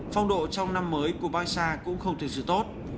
phong độ trong năm mới của barca cũng không thật sự tốt